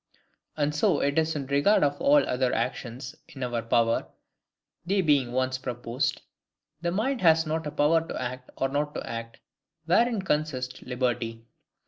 And so it is in regard of all other actions in our power; they being once proposed, the mind has not a power to act or not to act, wherein consists liberty.